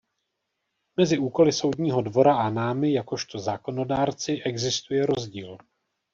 Mezi úkoly Soudního dvora a námi, jakožto zákonodárci, existuje rozdíl.